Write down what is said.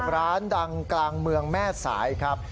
ร้านดังกลางเมืองแม่สายครับ